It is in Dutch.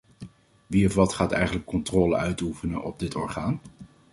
Wie of wat gaat eigenlijk controle uitoefenen op dit orgaan?